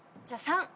じゃあ３。